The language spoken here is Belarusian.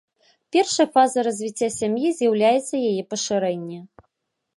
Першай фазай развіцця сям'і з'яўляецца яе пашырэнне.